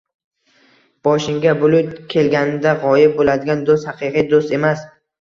Boshingga bulut kelganida g’oyib bo’ladigan do’st haqiqiy do’st emas.